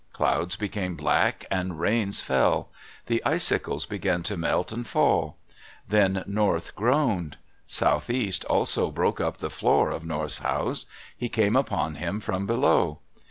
Clouds became black and rains fell. The icicles began to melt and fall. Then North groaned. Southeast also broke up the floor of North's house. He came upon him from below.